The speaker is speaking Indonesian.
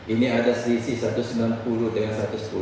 ini ada selisih satu ratus sembilan puluh dengan satu ratus sepuluh